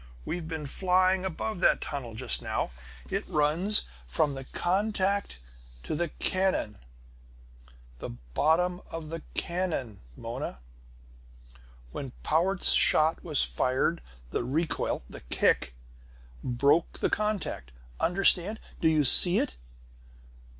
We've been flying above that tunnel just now. It runs from the contact to the cannon the bottom of the cannon, Mona! "When Powart's shot was fired, the recoil the kick broke the contact! Understand? Do you see it?"